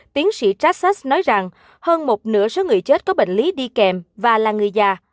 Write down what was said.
tiến sĩ trassex nói rằng hơn một nửa số người chết có bệnh lý đi kèm và là người già